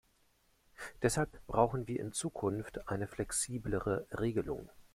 Deshalb brauchen wir in Zukunft eine flexiblere Regelung.